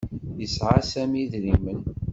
Yesɛa Sami idrimen.